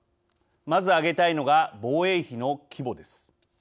まず挙げたいのが防衛費の規模です。